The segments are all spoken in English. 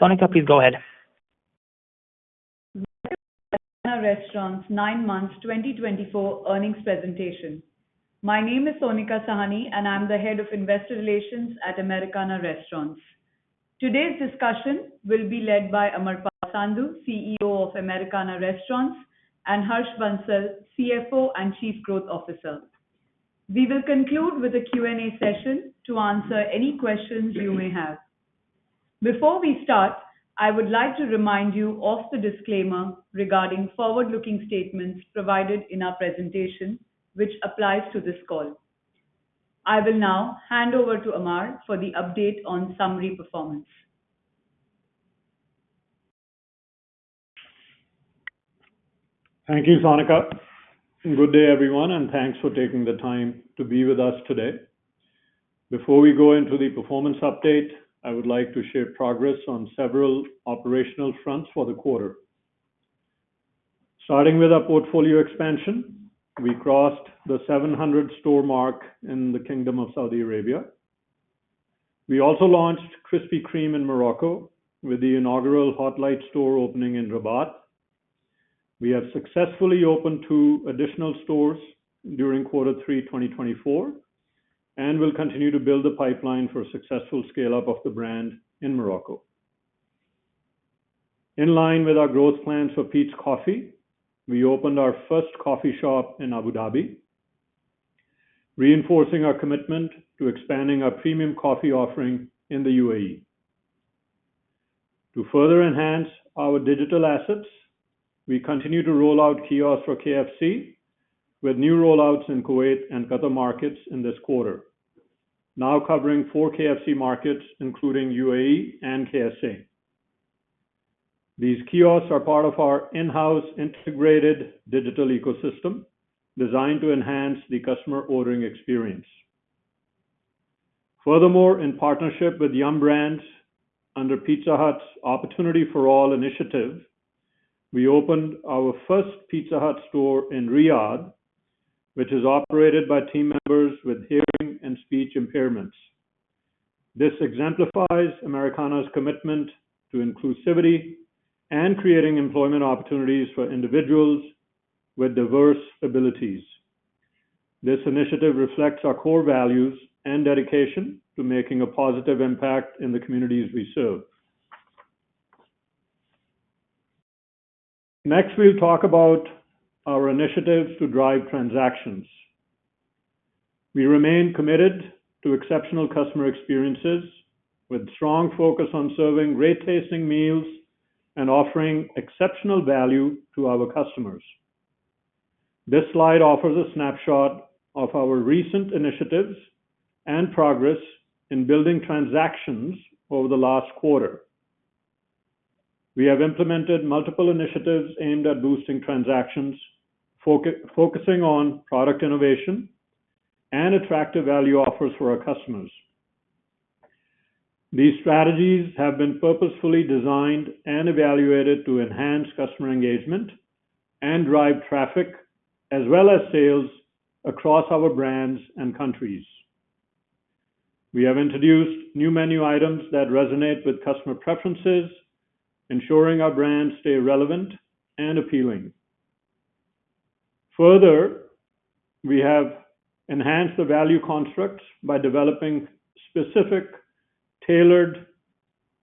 Sonika, please go ahead. Americana Restaurants Nine Months 2024 Earnings Presentation. My name is Sonika Sahni and I'm the head of investor relations at Americana Restaurants. Today's discussion will be led by Amarpal Sandhu, CEO of Americana Restaurants, and Harsh Bansal, CFO and Chief Growth Officer. We will conclude with a Q&A session to answer any questions you may have. Before we start, I would like to remind you of the disclaimer regarding forward-looking statements provided in our presentation, which applies to this call. I will now hand over to Amar for the update on summary performance. Thank you, Sonika. Good day, everyone, and thanks for taking the time to be with us today. Before we go into the performance update, I would like to share progress on several operational fronts for the quarter. Starting with our portfolio expansion, we crossed the 700 store mark in the Kingdom of Saudi Arabia. We also launched Krispy Kreme in Morocco, with the inaugural Hot Light store opening in Rabat. We have successfully opened two additional stores during quarter three 2024 and will continue to build the pipeline for a successful scale-up of the brand in Morocco. In line with our growth plans for Peet's Coffee, we opened our first coffee shop in Abu Dhabi, reinforcing our commitment to expanding our premium coffee offering in the UAE. To further enhance our digital assets, we continue to roll out kiosks for KFC, with new rollouts in Kuwait and Qatar markets in this quarter, now covering four KFC markets, including UAE and KSA. These kiosks are part of our in-house integrated digital ecosystem, designed to enhance the customer ordering experience. Furthermore, in partnership with Yum Brands under Pizza Hut's Opportunity for All initiative, we opened our first Pizza Hut store in Riyadh, which is operated by team members with hearing and speech impairments. This exemplifies Americana's commitment to inclusivity and creating employment opportunities for individuals with diverse abilities. This initiative reflects our core values and dedication to making a positive impact in the communities we serve. Next, we'll talk about our initiatives to drive transactions. We remain committed to exceptional customer experiences, with a strong focus on serving great tasting meals and offering exceptional value to our customers. This slide offers a snapshot of our recent initiatives and progress in building transactions over the last quarter. We have implemented multiple initiatives aimed at boosting transactions, focusing on product innovation and attractive value offers for our customers. These strategies have been purposefully designed and evaluated to enhance customer engagement and drive traffic, as well as sales across our brands and countries. We have introduced new menu items that resonate with customer preferences, ensuring our brands stay relevant and appealing. Further, we have enhanced the value constructs by developing specific, tailored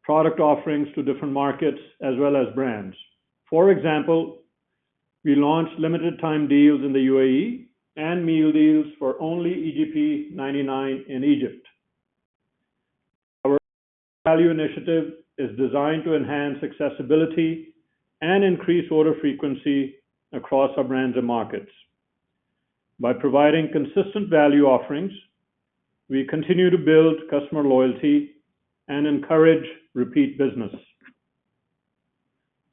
product offerings to different markets, as well as brands. For example, we launched limited-time deals in the UAE and meal deals for only EGP 99 in Egypt. Our value initiative is designed to enhance accessibility and increase order frequency across our brands and markets. By providing consistent value offerings, we continue to build customer loyalty and encourage repeat business.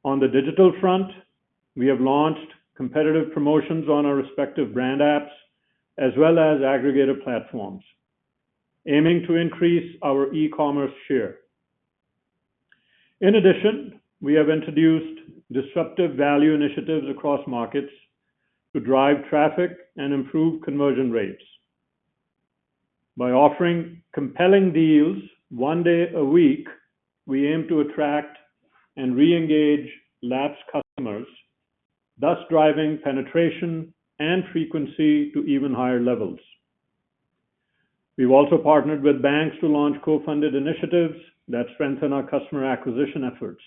On the digital front, we have launched competitive promotions on our respective brand apps, as well as aggregator platforms, aiming to increase our e-commerce share. In addition, we have introduced disruptive value initiatives across markets to drive traffic and improve conversion rates. By offering compelling deals one day a week, we aim to attract and re-engage lapsed customers, thus driving penetration and frequency to even higher levels. We've also partnered with banks to launch co-funded initiatives that strengthen our customer acquisition efforts.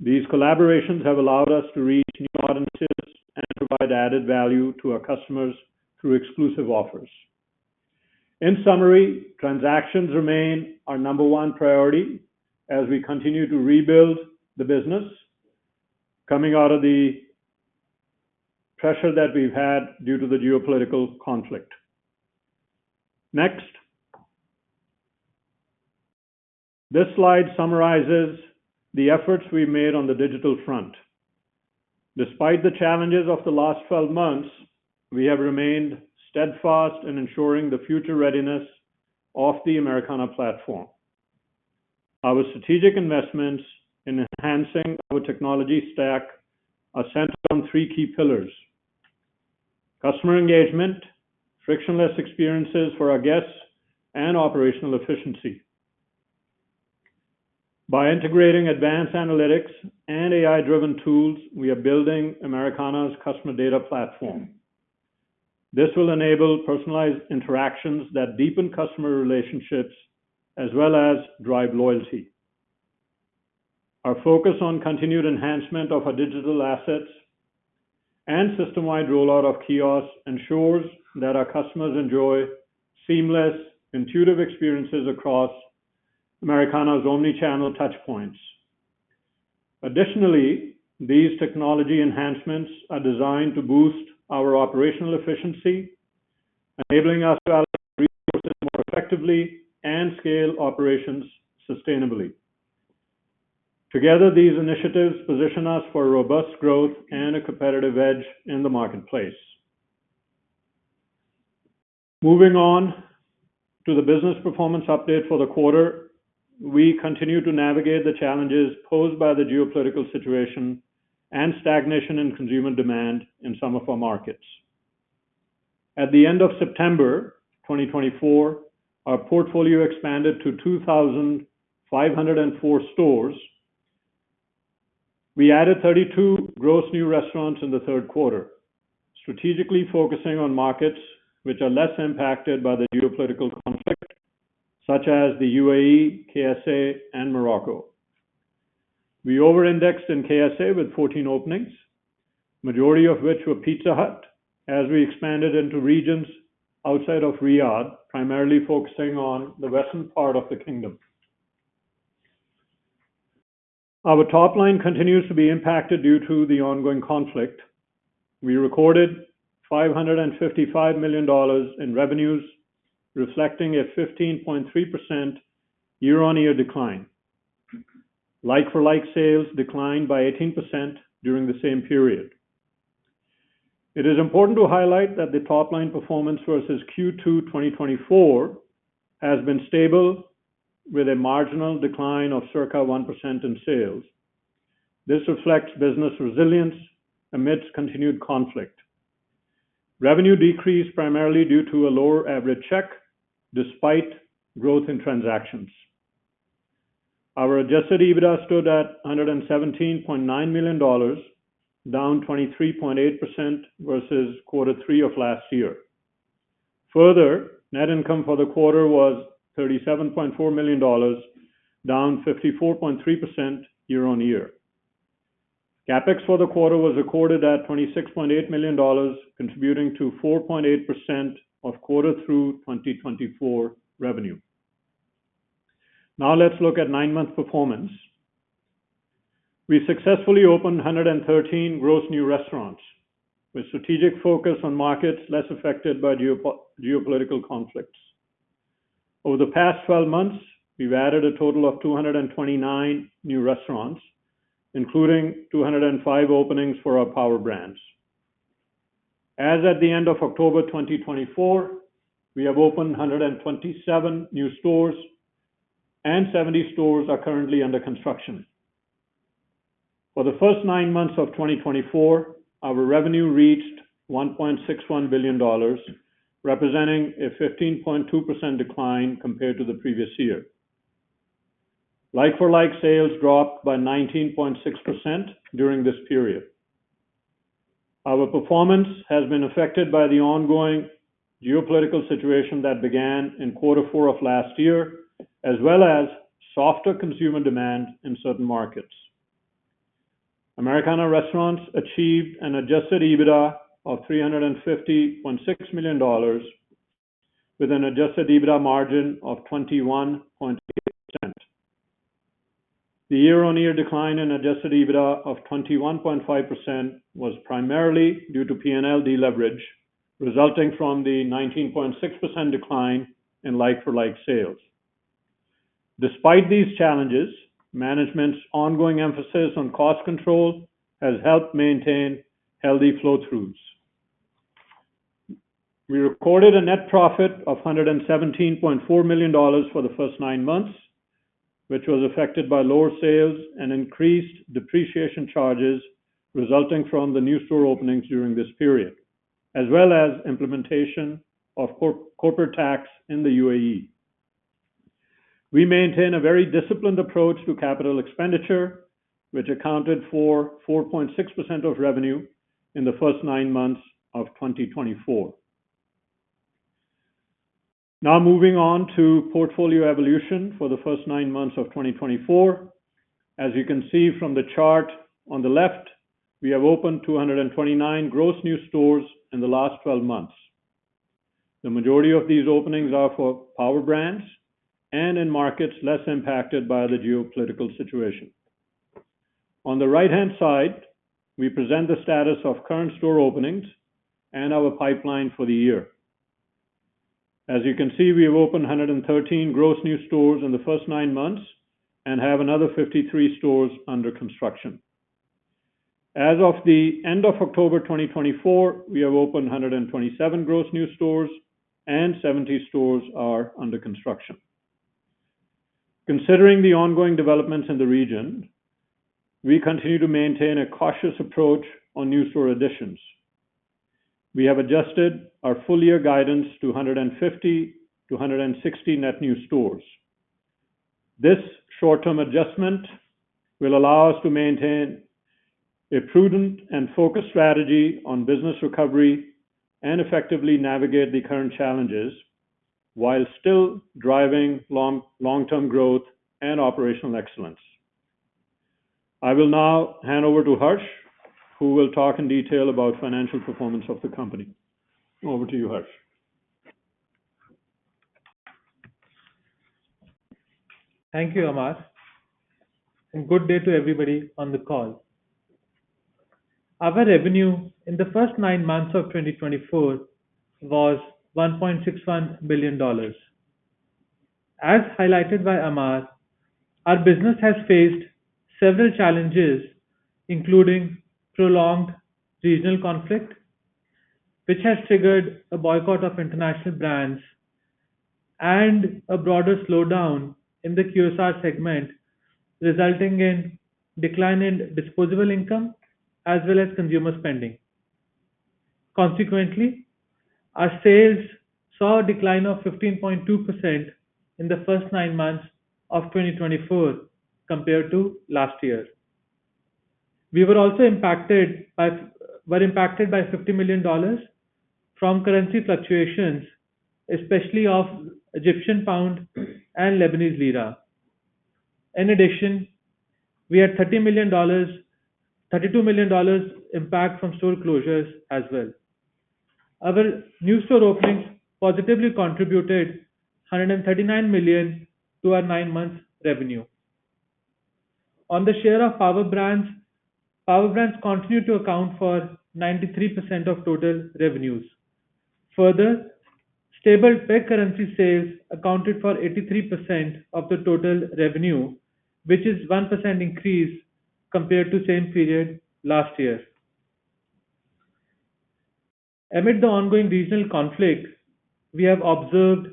These collaborations have allowed us to reach new audiences and provide added value to our customers through exclusive offers. In summary, transactions remain our number one priority as we continue to rebuild the business coming out of the pressure that we've had due to the geopolitical conflict. Next, this slide summarizes the efforts we've made on the digital front. Despite the challenges of the last 12 months, we have remained steadfast in ensuring the future readiness of the Americana platform. Our strategic investments in enhancing our technology stack are centered on three key pillars: customer engagement, frictionless experiences for our guests, and operational efficiency. By integrating advanced analytics and AI-driven tools, we are building Americana's Customer Data Platform. This will enable personalized interactions that deepen customer relationships, as well as drive loyalty. Our focus on continued enhancement of our digital assets and system-wide rollout of kiosks ensures that our customers enjoy seamless, intuitive experiences across Americana's omnichannel touchpoints. Additionally, these technology enhancements are designed to boost our operational efficiency, enabling us to allocate resources more effectively and scale operations sustainably. Together, these initiatives position us for robust growth and a competitive edge in the marketplace. Moving on to the business performance update for the quarter, we continue to navigate the challenges posed by the geopolitical situation and stagnation in consumer demand in some of our markets. At the end of September 2024, our portfolio expanded to 2,504 stores. We added 32 gross new restaurants in the third quarter, strategically focusing on markets which are less impacted by the geopolitical conflict, such as the UAE, KSA, and Morocco. We over-indexed in KSA with 14 openings, the majority of which were Pizza Hut, as we expanded into regions outside of Riyadh, primarily focusing on the western part of the kingdom. Our top line continues to be impacted due to the ongoing conflict. We recorded $555 million in revenues, reflecting a 15.3% year-on-year decline. Like-for-like sales declined by 18% during the same period. It is important to highlight that the top line performance versus Q2 2024 has been stable, with a marginal decline of circa 1% in sales. This reflects business resilience amidst continued conflict. Revenue decreased primarily due to a lower average check, despite growth in transactions. Our adjusted EBITDA stood at $117.9 million, down 23.8% versus quarter three of last year. Further, net income for the quarter was $37.4 million, down 54.3% year-on-year. CapEx for the quarter was recorded at $26.8 million, contributing to 4.8% of quarter three 2024 revenue. Now let's look at nine-month performance. We successfully opened 113 gross new restaurants, with strategic focus on markets less affected by geopolitical conflicts. Over the past 12 months, we've added a total of 229 new restaurants, including 205 openings for our power brands. As at the end of October 2024, we have opened 127 new stores, and 70 stores are currently under construction. For the first nine months of 2024, our revenue reached $1.61 billion, representing a 15.2% decline compared to the previous year. Like-for-like sales dropped by 19.6% during this period. Our performance has been affected by the ongoing geopolitical situation that began in quarter four of last year, as well as softer consumer demand in certain markets. Americana Restaurants achieved an adjusted EBITDA of $350.6 million, with an adjusted EBITDA margin of 21.8%. The year-on-year decline in adjusted EBITDA of 21.5% was primarily due to P&L deleverage, resulting from the 19.6% decline in like-for-like sales. Despite these challenges, management's ongoing emphasis on cost control has helped maintain healthy flow throughs. We recorded a net profit of $117.4 million for the first nine months, which was affected by lower sales and increased depreciation charges resulting from the new store openings during this period, as well as implementation of corporate tax in the UAE. We maintain a very disciplined approach to capital expenditure, which accounted for 4.6% of revenue in the first nine months of 2024. Now moving on to portfolio evolution for the first nine months of 2024. As you can see from the chart on the left, we have opened 229 gross new stores in the last 12 months. The majority of these openings are for power brands and in markets less impacted by the geopolitical situation. On the right-hand side, we present the status of current store openings and our pipeline for the year. As you can see, we have opened 113 gross new stores in the first nine months and have another 53 stores under construction. As of the end of October 2024, we have opened 127 gross new stores, and 70 stores are under construction. Considering the ongoing developments in the region, we continue to maintain a cautious approach on new store additions. We have adjusted our full-year guidance to 150 to 160 net new stores. This short-term adjustment will allow us to maintain a prudent and focused strategy on business recovery and effectively navigate the current challenges while still driving long-term growth and operational excellence. I will now hand over to Harsh, who will talk in detail about financial performance of the company. Over to you, Harsh. Thank you, Amar. And good day to everybody on the call. Our revenue in the first nine months of 2024 was $1.61 billion. As highlighted by Amar, our business has faced several challenges, including prolonged regional conflict, which has triggered a boycott of international brands, and a broader slowdown in the QSR segment, resulting in a decline in disposable income as well as consumer spending. Consequently, our sales saw a decline of 15.2% in the first nine months of 2024 compared to last year. We were also impacted by $50 million from currency fluctuations, especially of the Egyptian pound and Lebanese lira. In addition, we had $32 million impact from store closures as well. Our new store openings positively contributed $139 million to our nine-month revenue. On the share of power brands, power brands continue to account for 93% of total revenues. Further, stable peg currency sales accounted for 83% of the total revenue, which is a 1% increase compared to the same period last year. Amid the ongoing regional conflict, we have observed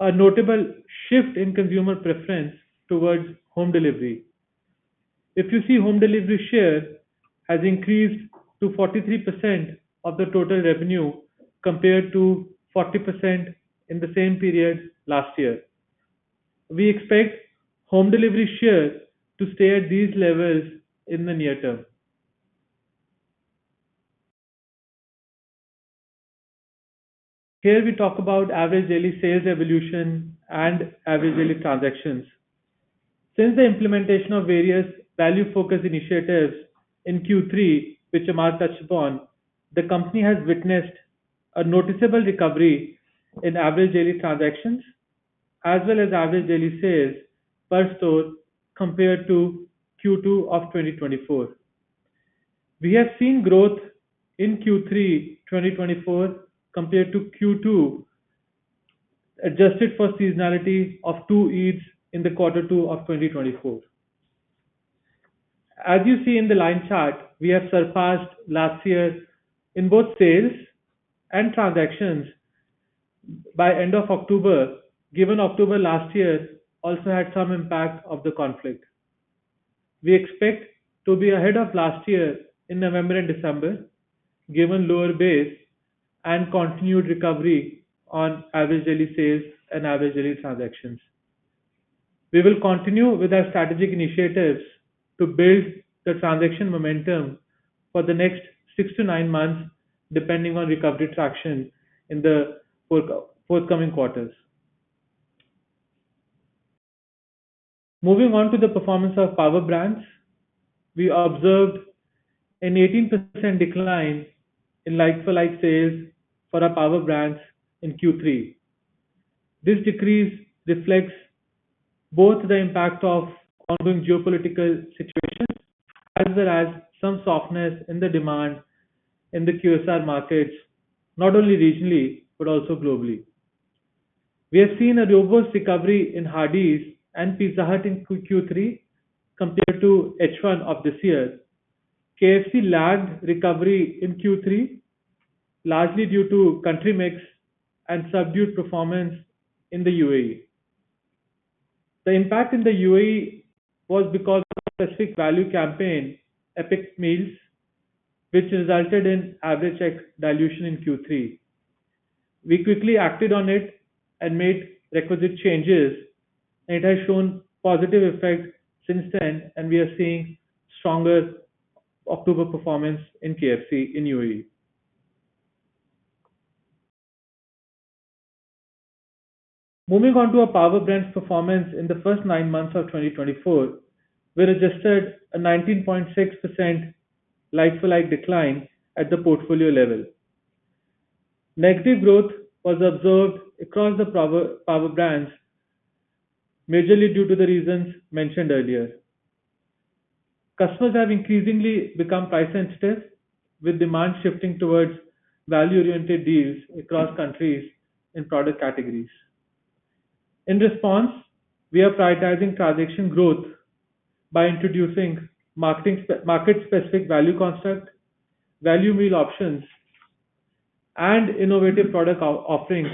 a notable shift in consumer preference towards home delivery. If you see, home delivery share has increased to 43% of the total revenue compared to 40% in the same period last year. We expect home delivery share to stay at these levels in the near term. Here, we talk about average daily sales evolution and average daily transactions. Since the implementation of various value-focused initiatives in Q3, which Amar touched upon, the company has witnessed a noticeable recovery in average daily transactions, as well as average daily sales per store compared to Q2 of 2024. We have seen growth in Q3 2024 compared to Q2, adjusted for seasonality of two Eids in the quarter two of 2024. As you see in the line chart, we have surpassed last year in both sales and transactions by the end of October, given October last year also had some impact of the conflict. We expect to be ahead of last year in November and December, given lower base and continued recovery on average daily sales and average daily transactions. We will continue with our strategic initiatives to build the transaction momentum for the next six to nine months, depending on recovery traction in the forthcoming quarters. Moving on to the performance of Power Brands, we observed an 18% decline in like-for-like sales for our Power Brands in Q3. This decrease reflects both the impact of ongoing geopolitical situations as well as some softness in the demand in the QSR markets, not only regionally but also globally. We have seen a robust recovery in Hardee's and Pizza Hut in Q3 compared to H1 of this year. KFC lagged recovery in Q3, largely due to country mix and subdued performance in the UAE. The impact in the UAE was because of a specific value campaign, Epic Meals, which resulted in average check dilution in Q3. We quickly acted on it and made requisite changes. It has shown positive effects since then, and we are seeing stronger October performance in KFC in UAE. Moving on to our Power Brands' performance in the first nine months of 2024, we adjusted a 19.6% like-for-like decline at the portfolio level. Negative growth was observed across the Power Brands, majorly due to the reasons mentioned earlier. Customers have increasingly become price sensitive, with demand shifting towards value-oriented deals across countries in product categories. In response, we are prioritizing transaction growth by introducing market-specific value constructs, value meal options, and innovative product offerings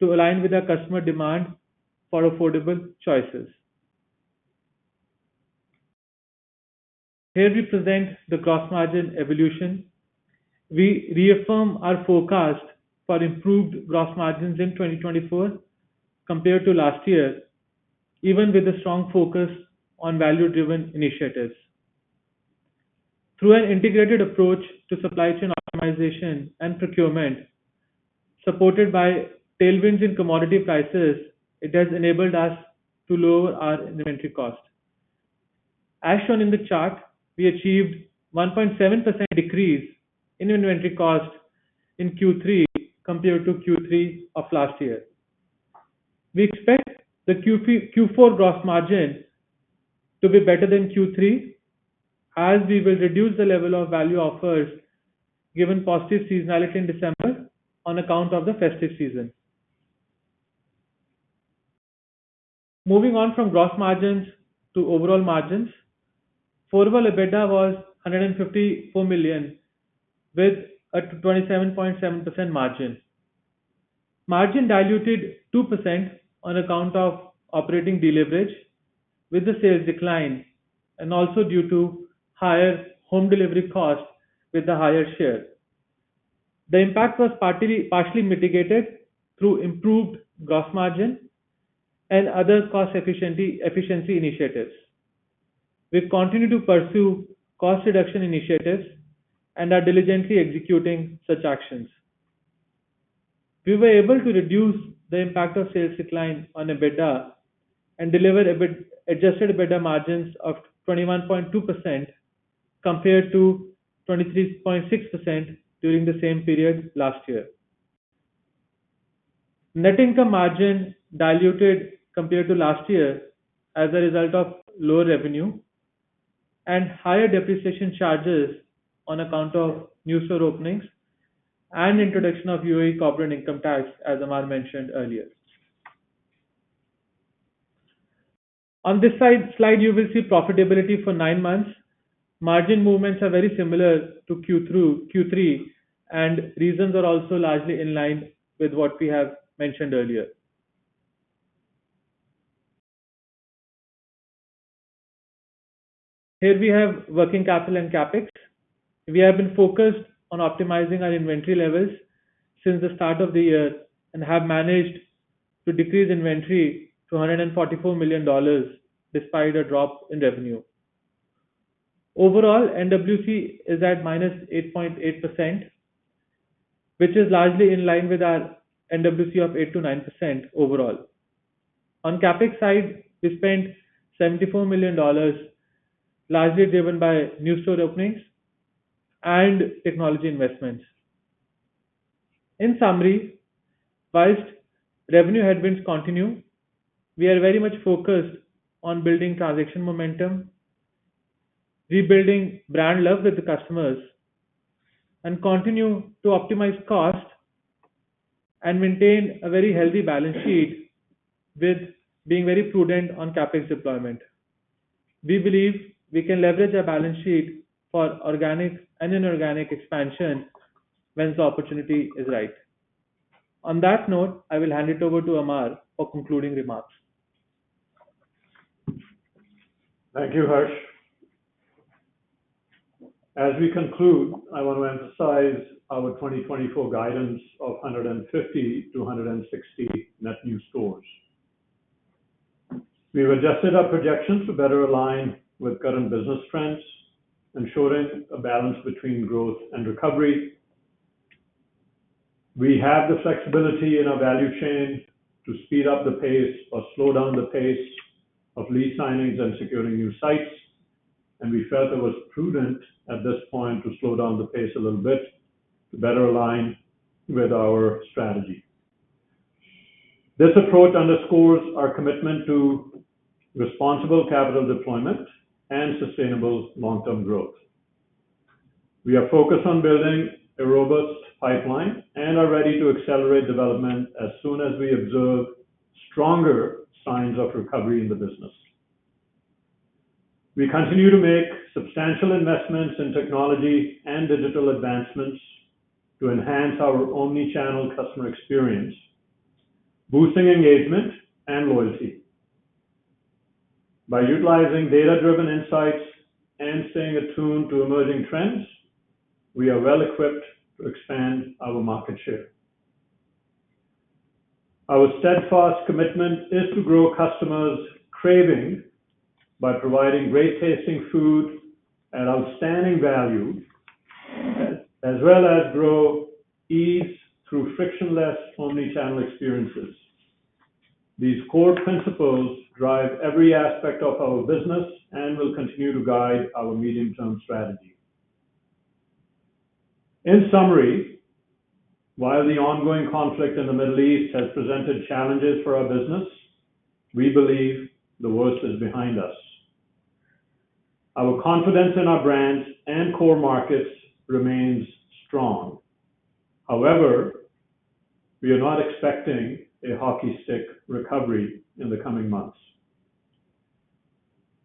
to align with our customer demand for affordable choices. Here, we present the gross margin evolution. We reaffirm our forecast for improved gross margins in 2024 compared to last year, even with a strong focus on value-driven initiatives. Through an integrated approach to supply chain optimization and procurement, supported by tailwinds in commodity prices, it has enabled us to lower our inventory cost. As shown in the chart, we achieved a 1.7% decrease in inventory cost in Q3 compared to Q3 of last year. We expect the Q4 gross margin to be better than Q3, as we will reduce the level of value offers given positive seasonality in December on account of the festive season. Moving on from gross margins to overall margins, forward EBITDA was $154 million, with a 27.7% margin. Margin diluted 2% on account of operating deleverage, with the sales decline, and also due to higher home delivery costs with the higher share. The impact was partially mitigated through improved gross margin and other cost efficiency initiatives. We continue to pursue cost reduction initiatives and are diligently executing such actions. We were able to reduce the impact of sales decline on EBITDA and deliver adjusted EBITDA margins of 21.2% compared to 23.6% during the same period last year. Net income margin diluted compared to last year as a result of lower revenue and higher depreciation charges on account of new store openings and introduction of UAE corporate income tax, as Amar mentioned earlier. On this slide, you will see profitability for nine months. Margin movements are very similar to Q3, and reasons are also largely in line with what we have mentioned earlier. Here, we have working capital and CapEx. We have been focused on optimizing our inventory levels since the start of the year and have managed to decrease inventory to $144 million despite a drop in revenue. Overall, NWC is at minus 8.8%, which is largely in line with our NWC of 8%-9% overall. On CapEx side, we spent $74 million, largely driven by new store openings and technology investments. In summary, whilst revenue headwinds continue, we are very much focused on building transaction momentum, rebuilding brand love with the customers, and continuing to optimize costs and maintain a very healthy balance sheet with being very prudent on CapEx deployment. We believe we can leverage our balance sheet for organic and inorganic expansion when the opportunity is right. On that note, I will hand it over to Amar for concluding remarks. Thank you, Harsh. As we conclude, I want to emphasize our 2024 guidance of 150-160 net new stores. We've adjusted our projections to better align with current business trends, ensuring a balance between growth and recovery. We have the flexibility in our value chain to speed up the pace or slow down the pace of lease signings and securing new sites, and we felt it was prudent at this point to slow down the pace a little bit to better align with our strategy. This approach underscores our commitment to responsible capital deployment and sustainable long-term growth. We are focused on building a robust pipeline and are ready to accelerate development as soon as we observe stronger signs of recovery in the business. We continue to make substantial investments in technology and digital advancements to enhance our omnichannel customer experience, boosting engagement and loyalty. By utilizing data-driven insights and staying attuned to emerging trends, we are well-equipped to expand our market share. Our steadfast commitment is to grow customers' craving by providing great-tasting food at outstanding value, as well as grow ease through frictionless omnichannel experiences. These core principles drive every aspect of our business and will continue to guide our medium-term strategy. In summary, while the ongoing conflict in the Middle East has presented challenges for our business, we believe the worst is behind us. Our confidence in our brands and core markets remains strong. However, we are not expecting a hockey stick recovery in the coming months.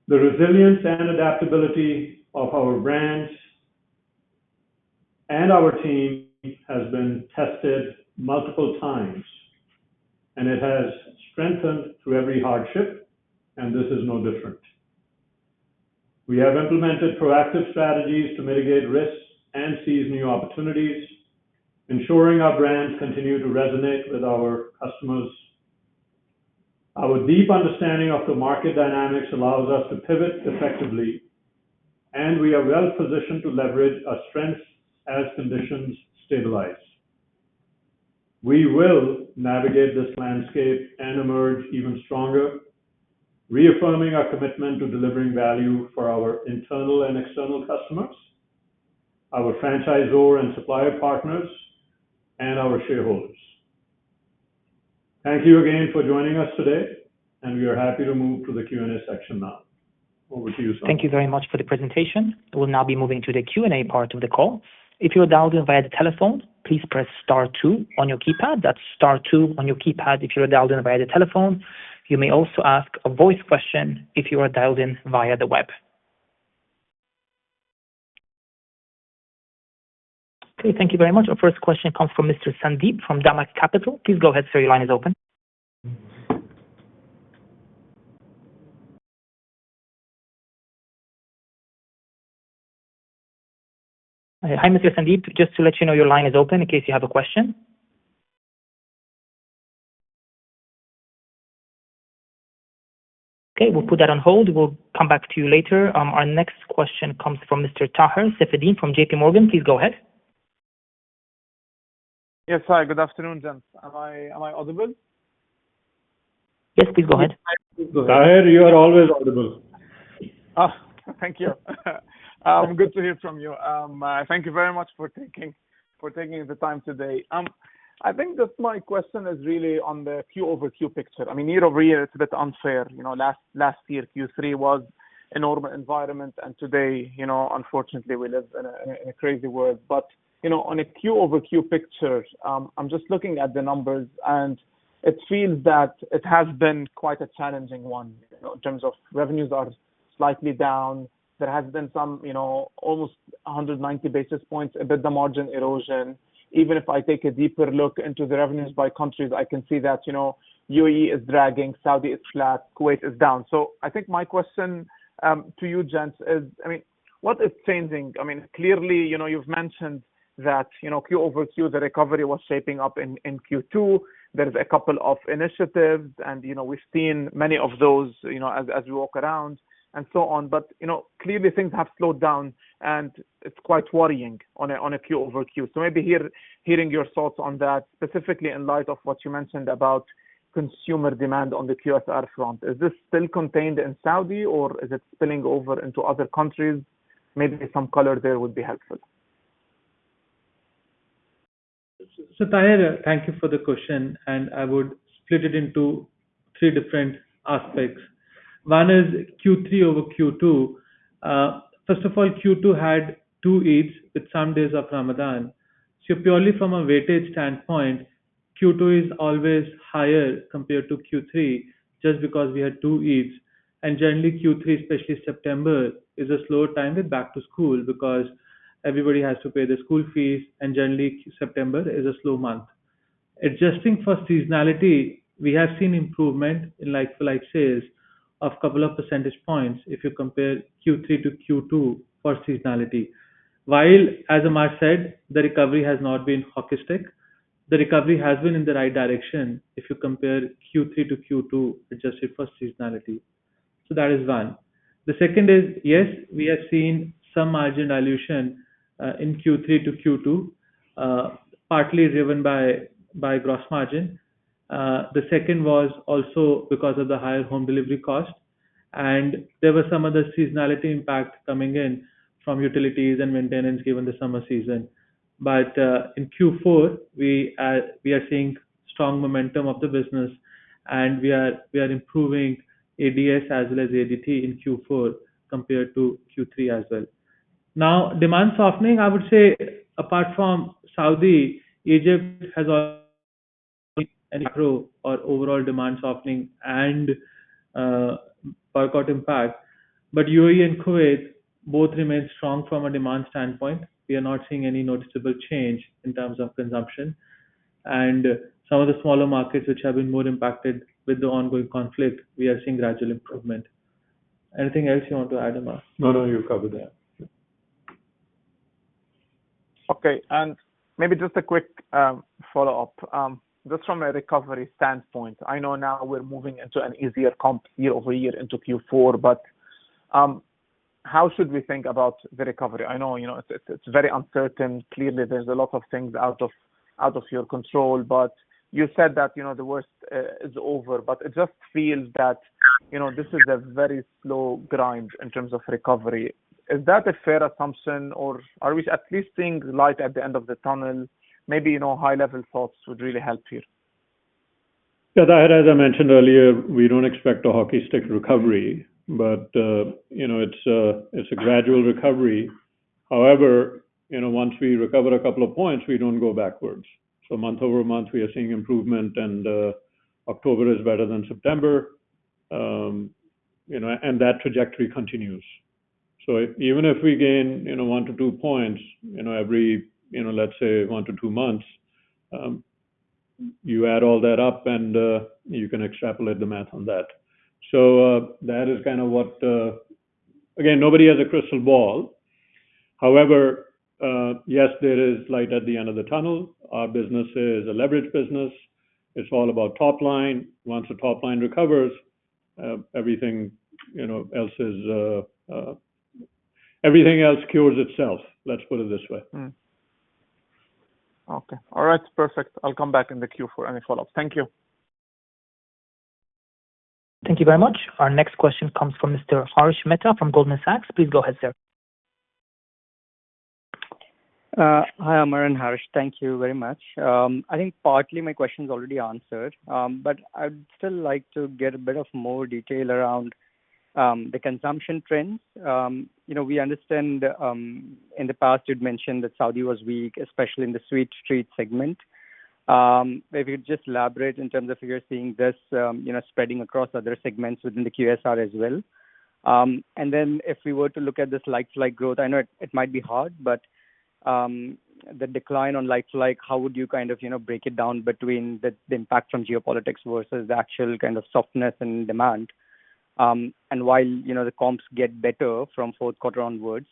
The resilience and adaptability of our brands and our team has been tested multiple times, and it has strengthened through every hardship, and this is no different. We have implemented proactive strategies to mitigate risks and seize new opportunities, ensuring our brands continue to resonate with our customers. Our deep understanding of the market dynamics allows us to pivot effectively, and we are well-positioned to leverage our strengths as conditions stabilize. We will navigate this landscape and emerge even stronger, reaffirming our commitment to delivering value for our internal and external customers, our franchisor and supplier partners, and our shareholders. Thank you again for joining us today, and we are happy to move to the Q&A section now. Over to you, Sam. Thank you very much for the presentation. We'll now be moving to the Q&A part of the call. If you are dialed in via the telephone, please press Star two on your keypad. That's Star two on your keypad if you are dialed in via the telephone. You may also ask a voice question if you are dialed in via the web. Okay, thank you very much. Our first question comes from Mr. Sandeep from DAMAC Capital. Please go ahead, sir. Your line is open. Hi, Mr. Sandeep. Just to let you know, your line is open in case you have a question. Okay, we'll put that on hold. We'll come back to you later. Our next question comes from Mr. Taher Safieddine from J.P. Morgan. Please go ahead. Yes, hi. Good afternoon, James. Am I audible? Yes, please go ahead. Taher, you are always audible. Thank you. Good to hear from you. Thank you very much for taking the time today. I think that my question is really on the Q over Q picture. I mean, year over year, it's a bit unfair. Last year, Q3 was a normal environment, and today, unfortunately, we live in a crazy world. But on a Q over Q picture, I'm just looking at the numbers, and it feels that it has been quite a challenging one in terms of revenues are slightly down. There has been some almost 190 basis points, a bit of margin erosion. Even if I take a deeper look into the revenues by countries, I can see that UAE is dragging, Saudi is flat, Kuwait is down. So I think my question to you, gents, is, I mean, what is changing? I mean, clearly, you've mentioned that Q over Q, the recovery was shaping up in Q2. There's a couple of initiatives, and we've seen many of those as we walk around and so on. But clearly, things have slowed down, and it's quite worrying on a Q over Q. So maybe hearing your thoughts on that, specifically in light of what you mentioned about consumer demand on the QSR front, is this still contained in Saudi, or is it spilling over into other countries? Maybe some color there would be helpful. So, Taher, thank you for the question, and I would split it into three different aspects. One is Q3 over Q2. First of all, Q2 had two Eids, with some days of Ramadan. So purely from a weightage standpoint, Q2 is always higher compared to Q3 just because we had two Eids. And generally, Q3, especially September, is a slow time with back-to-school because everybody has to pay the school fees, and generally, September is a slow month. Adjusting for seasonality, we have seen improvement in like-for-like sales of a couple of percentage points if you compare Q3 to Q2 for seasonality. While, as Amar said, the recovery has not been hockey stick, the recovery has been in the right direction if you compare Q3 to Q2 adjusted for seasonality. So that is one. The second is, yes, we have seen some margin dilution in Q3 to Q2, partly driven by gross margin. The second was also because of the higher home delivery cost, and there were some other seasonality impacts coming in from utilities and maintenance given the summer season. But in Q4, we are seeing strong momentum of the business, and we are improving ADS as well as ADT in Q4 compared to Q3 as well. Now, demand softening, I would say, apart from Saudi, Egypt has also seen a micro or overall demand softening and boycott impact. But UAE and Kuwait both remain strong from a demand standpoint. We are not seeing any noticeable change in terms of consumption. And some of the smaller markets, which have been more impacted with the ongoing conflict, we are seeing gradual improvement. Anything else you want to add, Amar? No, no, you covered it. Okay, and maybe just a quick follow-up. Just from a recovery standpoint, I know now we're moving into an easier comp year over year into Q4, but how should we think about the recovery? I know it's very uncertain. Clearly, there's a lot of things out of your control, but you said that the worst is over. But it just feels that this is a very slow grind in terms of recovery. Is that a fair assumption, or are we at least seeing light at the end of the tunnel? Maybe high-level thoughts would really help here. Yeah, Tahir, as I mentioned earlier, we don't expect a hockey stick recovery, but it's a gradual recovery. However, once we recover a couple of points, we don't go backwards. So month over month, we are seeing improvement, and October is better than September, and that trajectory continues. So even if we gain one to two points every, let's say, one to two months, you add all that up, and you can extrapolate the math on that. So that is kind of what, again, nobody has a crystal ball. However, yes, there is light at the end of the tunnel. Our business is a leverage business. It's all about top line. Once the top line recovers, everything else cures itself, let's put it this way. Okay. All right, perfect. I'll come back in the queue for any follow-ups. Thank you. Thank you very much. Our next question comes from Mr. Harsh Mehta from Goldman Sachs. Please go ahead, sir. Hi, Amar and Harsh. Thank you very much. I think partly my question is already answered, but I'd still like to get a bit more detail around the consumption trends. We understand in the past, you'd mentioned that Saudi was weak, especially in the sweet treat segment. If you could just elaborate in terms of if you're seeing this spreading across other segments within the QSR as well. And then if we were to look at this like-for-like growth, I know it might be hard, but the decline on like-for-like, how would you kind of break it down between the impact from geopolitics versus the actual kind of softness in demand? And while the comps get better from fourth quarter onwards,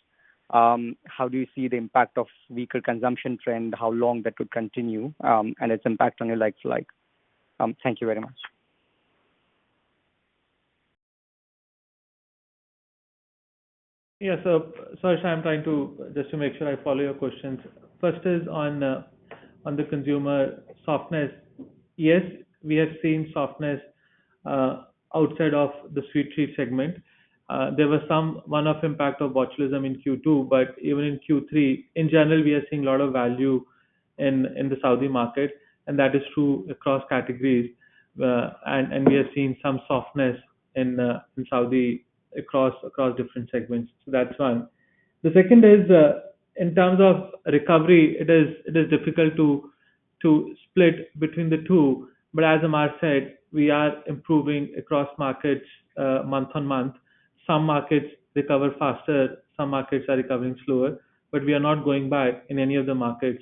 how do you see the impact of weaker consumption trend, how long that would continue, and its impact on your like-for-like? Thank you very much. Yeah, so sorry, Harsh. I'm trying to just make sure I follow your questions. First is on the consumer softness. Yes, we have seen softness outside of the sweet treat segment. There was some one-off impact of botulism in Q2, but even in Q3, in general, we are seeing a lot of value in the Saudi market, and that is true across categories. And we have seen some softness in Saudi across different segments. So that's one. The second is in terms of recovery. It is difficult to split between the two. But as Amar said, we are improving across markets month on month. Some markets recover faster, some markets are recovering slower, but we are not going back in any of the markets.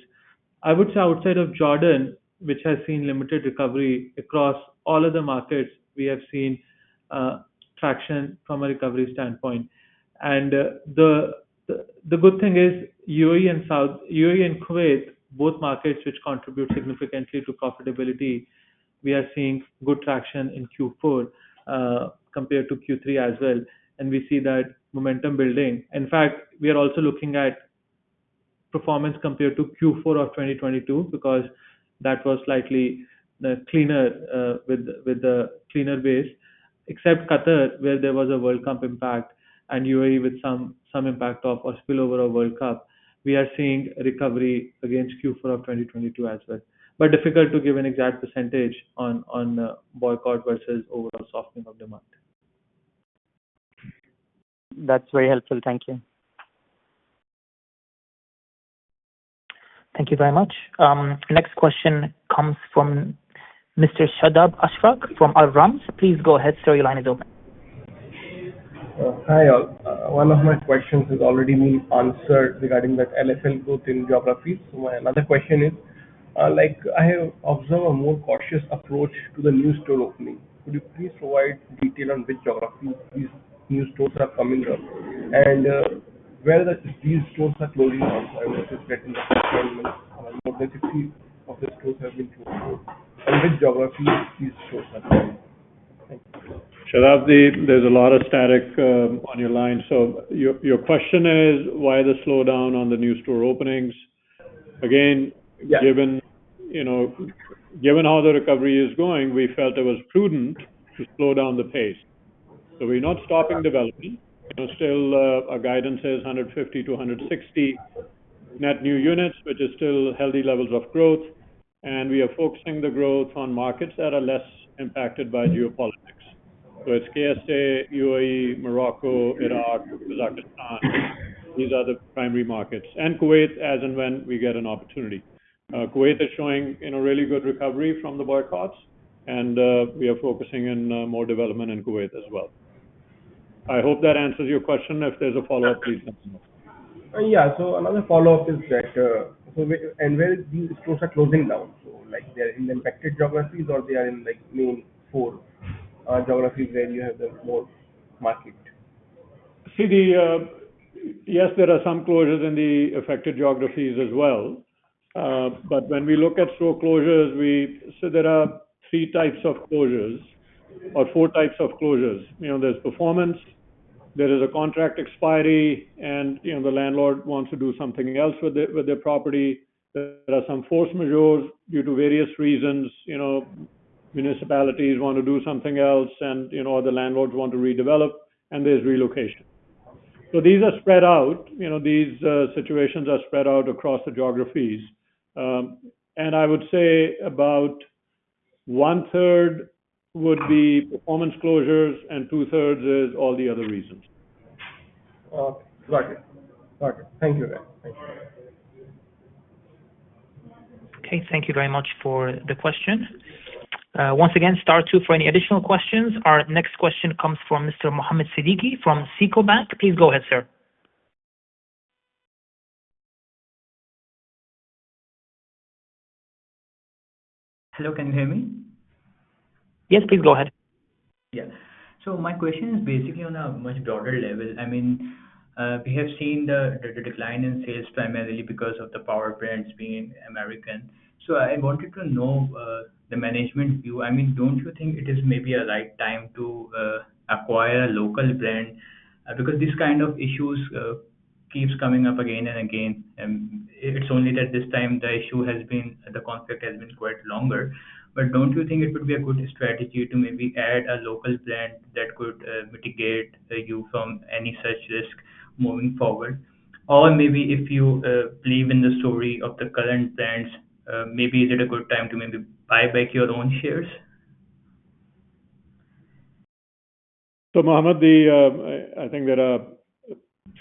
I would say outside of Jordan, which has seen limited recovery, across all of the markets, we have seen traction from a recovery standpoint. The good thing is UAE and Kuwait, both markets which contribute significantly to profitability, we are seeing good traction in Q4 compared to Q3 as well. We see that momentum building. In fact, we are also looking at performance compared to Q4 of 2022 because that was slightly cleaner with the cleaner base, except Qatar, where there was a World Cup impact, and UAE with some impact of spillover of World Cup. We are seeing recovery against Q4 of 2022 as well. It is difficult to give an exact percentage on boycott versus overall softening of demand. That's very helpful. Thank you. Thank you very much. Next question comes from Mr. Shadab Ashfaq from Al Ramz Capital. Please go ahead. Sir, your line is open. Hi, one of my questions has already been answered regarding that LFL growth in geographies. So my another question is, I have observed a more cautious approach to the new store opening. Could you please provide detail on which geographies these new stores are coming up and where these stores are closing down? I noticed that in the past 10 months, more than 50 of the stores have been closed. In which geographies these stores are coming up? Thank you. Shadab, there's a lot of static on your line. So your question is, why the slowdown on the new store openings? Again, given how the recovery is going, we felt it was prudent to slow down the pace. So we're not stopping development. Still, our guidance is 150-160 net new units, which is still healthy levels of growth. And we are focusing the growth on markets that are less impacted by geopolitics. So it's KSA, UAE, Morocco, Iraq, Kazakhstan. These are the primary markets. And Kuwait, as and when we get an opportunity. Kuwait is showing really good recovery from the boycotts, and we are focusing on more development in Kuwait as well. I hope that answers your question. If there's a follow-up, please let me know. Yeah, so another follow-up is that, and where these stores are closing down? So they're in the affected geographies or they are in the main four geographies where you have the more mature market? See, yes, there are some closures in the affected geographies as well. But when we look at store closures, so there are three types of closures or four types of closures. There's performance, there is a contract expiry, and the landlord wants to do something else with their property. There are some force majeures due to various reasons. Municipalities want to do something else, and the landlords want to redevelop, and there's relocation. So these are spread out. These situations are spread out across the geographies. And I would say about one-third would be performance closures, and two-thirds is all the other reasons. Okay. Thank you. Okay, thank you very much for the question. Once again, star two for any additional questions. Our next question comes from Mr. Muhammad Siddiqui from SICO Bank. Please go ahead, sir. Hello, can you hear me? Yes, please go ahead. Yeah. So my question is basically on a much broader level. I mean, we have seen the decline in sales primarily because of the Power Brands being American. So I wanted to know the management view. I mean, don't you think it is maybe a right time to acquire a local brand? Because this kind of issues keeps coming up again and again. It's only that this time the issue has been, the conflict has been quite longer. But don't you think it would be a good strategy to maybe add a local brand that could mitigate you from any such risk moving forward? Or maybe if you believe in the story of the current brands, maybe is it a good time to maybe buy back your own shares? Muhammad, I think there are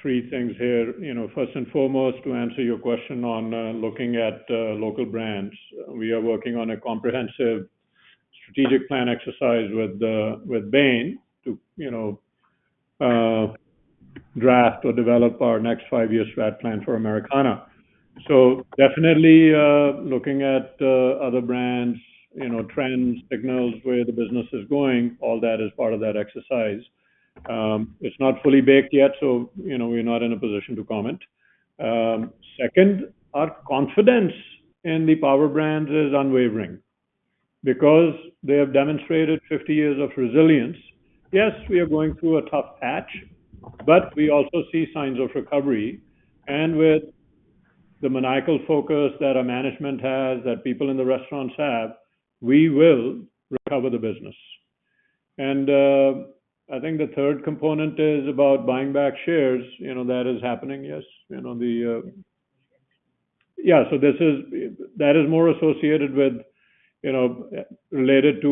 three things here. First and foremost, to answer your question on looking at local brands, we are working on a comprehensive strategic plan exercise with Bain to draft or develop our next five-year strat-plan for Americana. So definitely looking at other brands, trends, signals where the business is going, all that is part of that exercise. It's not fully baked yet, so we're not in a position to comment. Second, our confidence in the Power Brands is unwavering because they have demonstrated 50 years of resilience. Yes, we are going through a tough patch, but we also see signs of recovery. And with the maniacal focus that our management has, that people in the restaurants have, we will recover the business. And I think the third component is about buying back shares. That is happening, yes. Yeah, so that is more associated with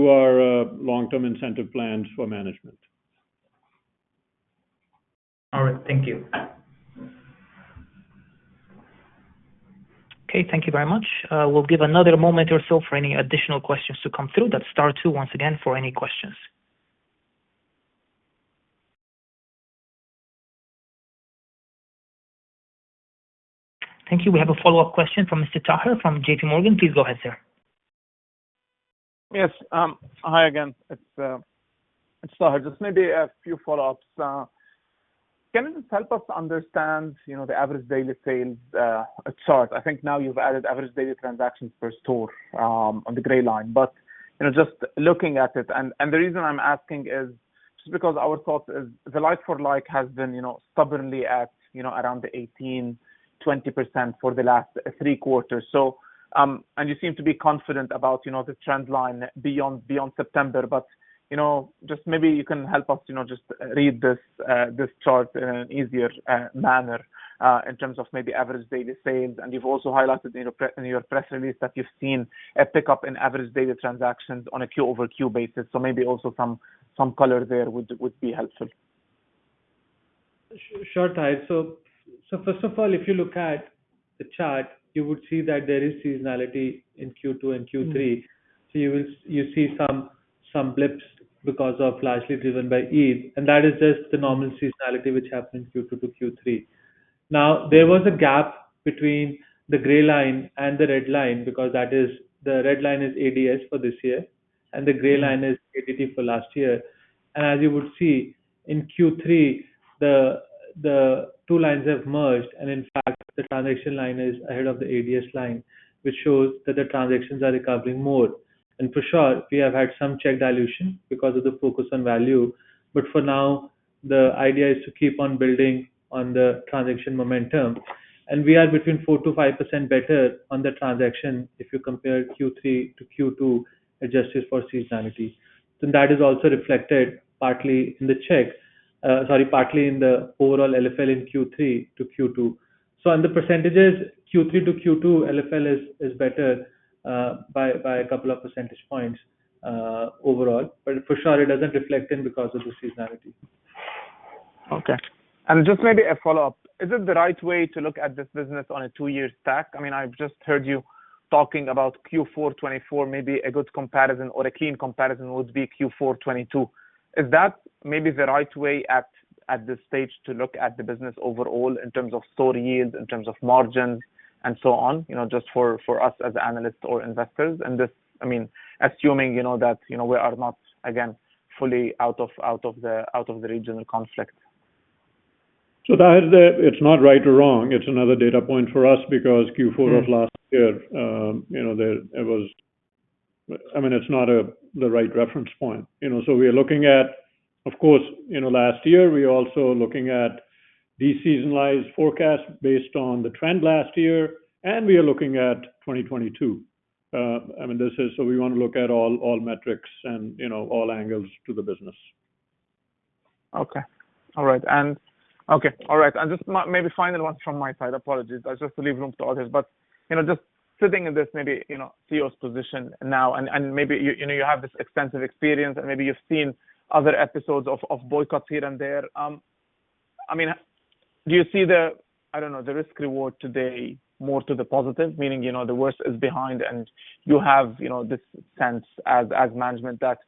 our long-term incentive plans for management. All right, thank you. Okay, thank you very much. We'll give another moment or so for any additional questions to come through. That's star two once again for any questions. Thank you. We have a follow-up question from Mr. Taher from J.P. Morgan. Please go ahead, sir. Yes, hi again. It's Taher. Just maybe a few follow-ups. Can you just help us understand the average daily sales chart? I think now you've added average daily transactions per store on the gray line. But just looking at it, and the reason I'm asking is just because our thought is the like-for-like has been stubbornly at around the 18%-20% for the last three quarters. And you seem to be confident about the trend line beyond September. But just maybe you can help us just read this chart in an easier manner in terms of maybe average daily sales. And you've also highlighted in your press release that you've seen a pickup in average daily transactions on a Q over Q basis. So maybe also some color there would be helpful. Sure, Taher. So first of all, if you look at the chart, you would see that there is seasonality in Q2 and Q3. So you see some blips because of largely driven by Eid. And that is just the normal seasonality which happened in Q2 to Q3. Now, there was a gap between the gray line and the red line because the red line is ADS for this year, and the gray line is ADT for last year. And as you would see, in Q3, the two lines have merged, and in fact, the transaction line is ahead of the ADS line, which shows that the transactions are recovering more. And for sure, we have had some check dilution because of the focus on value. But for now, the idea is to keep on building on the transaction momentum. We are between 4%-5% better on the transaction if you compare Q3 to Q2 adjusted for seasonality. That is also reflected partly in the check, sorry, partly in the overall LFL in Q3 to Q2. On the percentages, Q3 to Q2, LFL is better by a couple of percentage points overall. For sure, it doesn't reflect in because of the seasonality. Okay. And just maybe a follow-up. Is it the right way to look at this business on a two-year stack? I mean, I've just heard you talking about Q4, 2024, maybe a good comparison or a clean comparison would be Q4, 2022. Is that maybe the right way at this stage to look at the business overall in terms of store yield, in terms of margins, and so on, just for us as analysts or investors? And I mean, assuming that we are not, again, fully out of the regional conflict. So Taher, it's not right or wrong. It's another data point for us because Q4 of last year, there was, I mean, it's not the right reference point. So we are looking at, of course, last year, we are also looking at de-seasonalized forecast based on the trend last year, and we are looking at 2022. I mean, so we want to look at all metrics and all angles to the business. Okay. All right. Just maybe the final one from my side. Apologies. I just want to leave room for others. But just sitting in this maybe CEO's position now, and maybe you have this extensive experience, and maybe you've seen other episodes of boycotts here and there. I mean, do you see the, I don't know, the risk-reward today more to the positive, meaning the worst is behind, and you have this sense as management that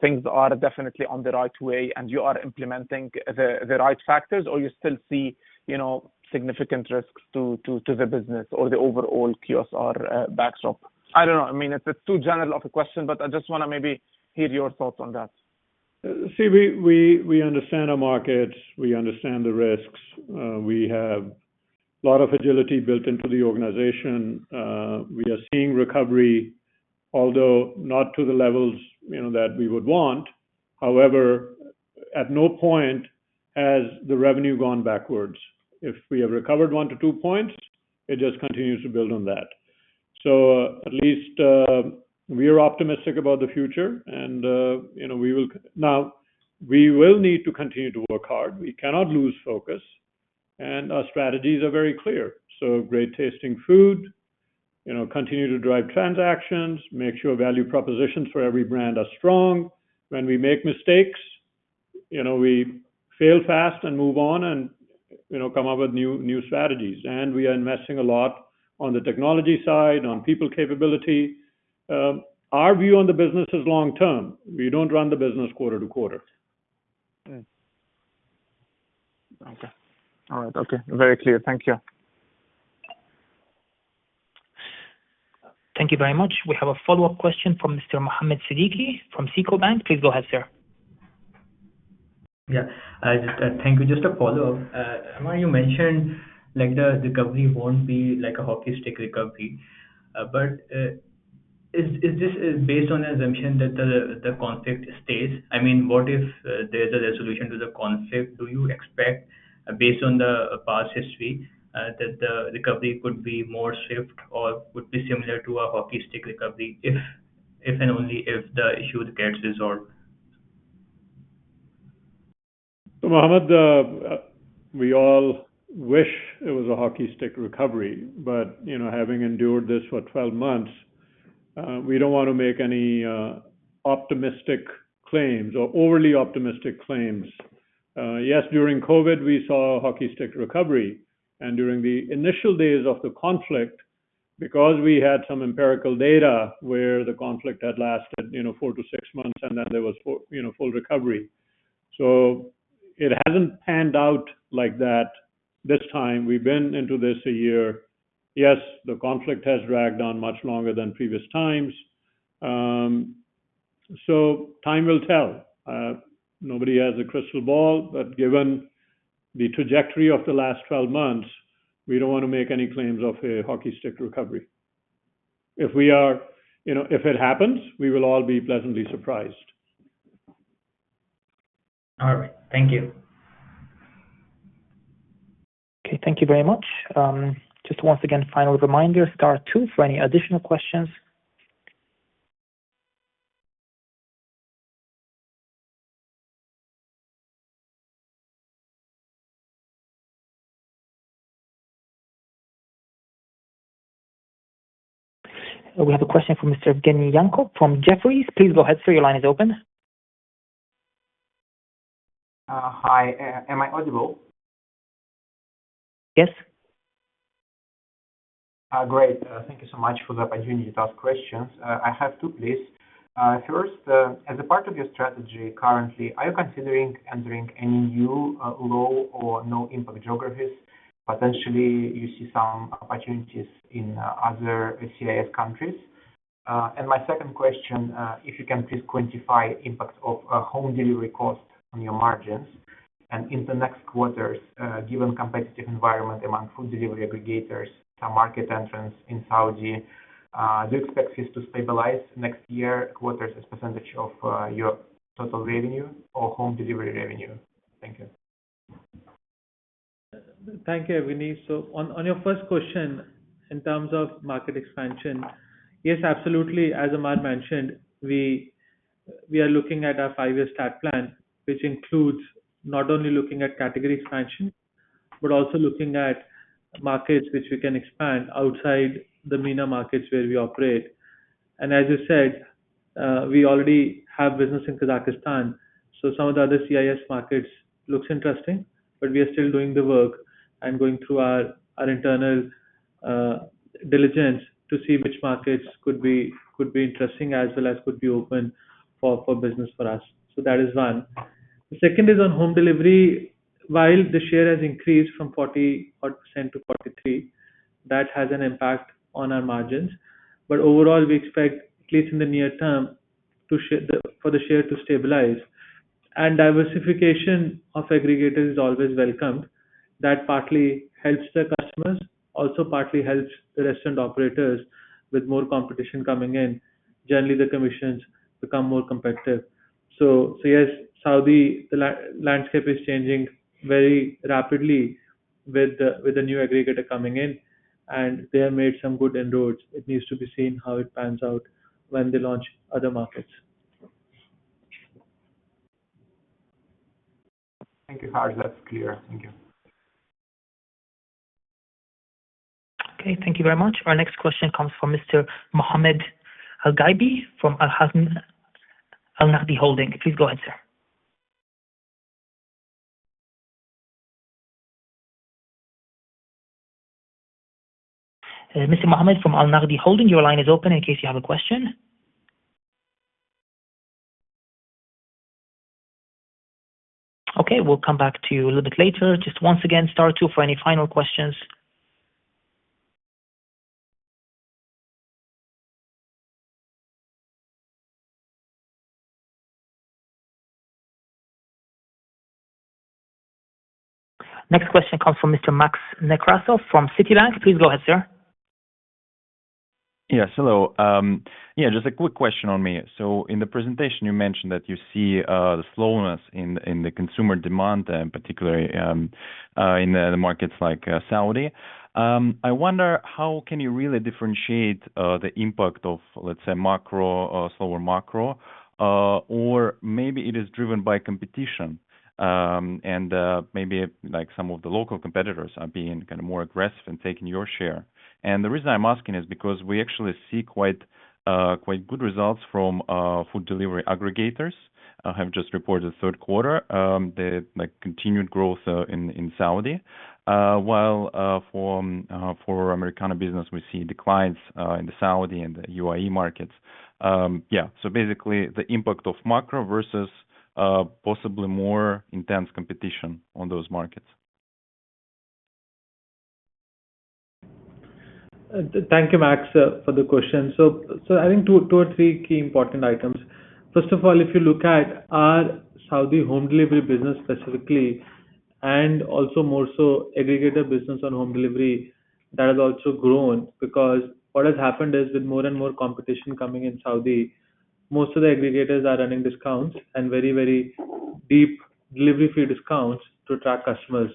things are definitely on the right way, and you are implementing the right factors, or you still see significant risks to the business or the overall QSR backstop? I don't know. I mean, it's too general of a question, but I just want to maybe hear your thoughts on that. See, we understand our markets. We understand the risks. We have a lot of agility built into the organization. We are seeing recovery, although not to the levels that we would want. However, at no point has the revenue gone backwards. If we have recovered one to two points, it just continues to build on that, so at least we are optimistic about the future, and we will now, we will need to continue to work hard. We cannot lose focus, and our strategies are very clear, so great tasting food, continue to drive transactions, make sure value propositions for every brand are strong. When we make mistakes, we fail fast and move on and come up with new strategies, and we are investing a lot on the technology side, on people capability. Our view on the business is long-term. We don't run the business quarter to quarter. Okay. All right. Okay. Very clear. Thank you. Thank you very much. We have a follow-up question from Mr. Muhammad Siddiqui from SICO Bank. Please go ahead, sir. Yeah. Thank you. Just a follow-up. You mentioned the recovery won't be like a hockey stick recovery. But is this based on an assumption that the conflict stays? I mean, what if there's a resolution to the conflict? Do you expect, based on the past history, that the recovery could be more swift or would be similar to a hockey stick recovery if and only if the issue gets resolved? Mohammed, we all wish it was a hockey stick recovery. But having endured this for 12 months, we don't want to make any optimistic claims or overly optimistic claims. Yes, during COVID, we saw a hockey stick recovery. And during the initial days of the conflict, because we had some empirical data where the conflict had lasted four to six months, and then there was full recovery. So it hasn't panned out like that this time. We've been into this a year. Yes, the conflict has dragged on much longer than previous times. So time will tell. Nobody has a crystal ball, but given the trajectory of the last 12 months, we don't want to make any claims of a hockey stick recovery. If it happens, we will all be pleasantly surprised. All right. Thank you. Okay. Thank you very much. Just once again, final reminder, star two for any additional questions. We have a question from Mr. Ganenko from Jefferies. Please go ahead, sir. Your line is open. Hi. Am I audible? Yes. Great. Thank you so much for the opportunity to ask questions. I have two, please. First, as a part of your strategy currently, are you considering entering any new low or no impact geographies? Potentially, you see some opportunities in other CIS countries. And my second question, if you can please quantify impact of home delivery cost on your margins? And in the next quarters, given competitive environment among food delivery aggregators, some market entrants in Saudi, do you expect this to stabilize next year, quarters as percentage of your total revenue or home delivery revenue? Thank you. Thank you, Evgeniy. On your first question, in terms of market expansion, yes, absolutely. As Amar mentioned, we are looking at our five-year strategic plan, which includes not only looking at category expansion, but also looking at markets which we can expand outside the MENA markets where we operate. As you said, we already have business in Kazakhstan. Some of the other CIS markets look interesting, but we are still doing the work and going through our internal diligence to see which markets could be interesting as well as could be open for business for us. That is one. The second is on home delivery. While the share has increased from 40%-43%, that has an impact on our margins. But overall, we expect, at least in the near term, for the share to stabilize. Diversification of aggregators is always welcome. That partly helps the customers, also partly helps the restaurant operators with more competition coming in. Generally, the commissions become more competitive. So yes, Saudi landscape is changing very rapidly with the new aggregator coming in, and they have made some good inroads. It needs to be seen how it pans out when they launch other markets. Thank you, Harsh. That's clear. Thank you. Okay. Thank you very much. Our next question comes from Mr. Mohammed Alghalbi from Al Nahdi. Please go ahead, sir. Mr. Mohammed from Al Nahdi, your line is open in case you have a question. Okay. We'll come back to you a little bit later. Just once again, star two for any final questions. Next question comes from Mr. Max Nekrasov from Citibank. Please go ahead, sir. Yes. Hello. Yeah, just a quick question on me. So in the presentation, you mentioned that you see the slowness in the consumer demand, particularly in the markets like Saudi. I wonder how can you really differentiate the impact of, let's say, macro, slower macro, or maybe it is driven by competition and maybe some of the local competitors are being kind of more aggressive and taking your share. And the reason I'm asking is because we actually see quite good results from food delivery aggregators. I have just reported third quarter, the continued growth in Saudi, while for Americana business, we see declines in the Saudi and the UAE markets. Yeah. So basically, the impact of macro versus possibly more intense competition on those markets. Thank you, Max, for the question, so I think two or three key important items. First of all, if you look at our Saudi home delivery business specifically, and also more so aggregator business on home delivery, that has also grown because what has happened is with more and more competition coming in Saudi, most of the aggregators are running discounts and very, very deep delivery fee discounts to attract customers,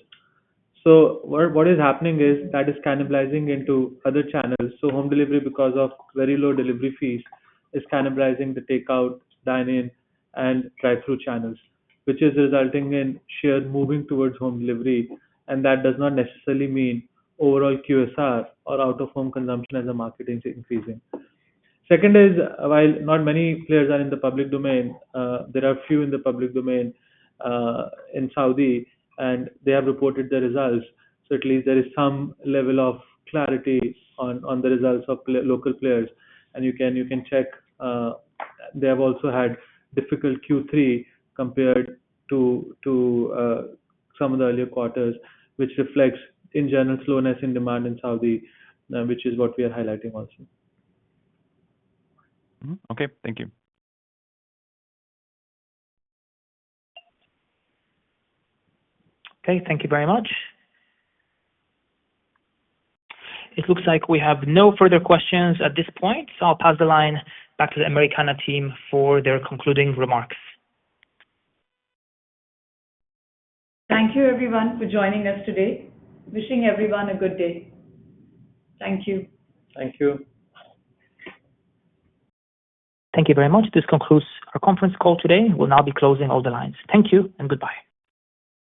so what is happening is that is cannibalizing into other channels, so home delivery, because of very low delivery fees, is cannibalizing the takeout, dine-in, and drive-thru channels, which is resulting in share moving towards home delivery, and that does not necessarily mean overall QSR or out-of-home consumption as a market is increasing. Second is, while not many players are in the public domain, there are few in the public domain in Saudi, and they have reported the results. So at least there is some level of clarity on the results of local players, and you can check. They have also had difficult Q3 compared to some of the earlier quarters, which reflects, in general, slowness in demand in Saudi, which is what we are highlighting also. Okay. Thank you. Okay. Thank you very much. It looks like we have no further questions at this point. So I'll pass the line back to the Americana team for their concluding remarks. Thank you, everyone, for joining us today. Wishing everyone a good day. Thank you. Thank you. Thank you very much. This concludes our conference call today. We'll now be closing all the lines. Thank you and goodbye.